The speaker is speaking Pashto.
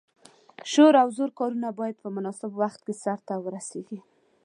شور او زور کارونه باید په مناسب وخت کې سرته ورسیږي.